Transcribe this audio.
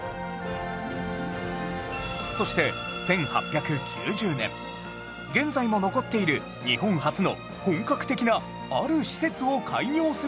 そして１８９０年現在も残っている日本初の本格的なある施設を開業するのですが